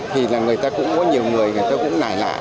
thì là người ta cũng có nhiều người người ta cũng nảy lạ